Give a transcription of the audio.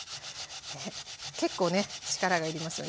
結構ね力が要りますよね。